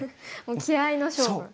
もう気合いの勝負。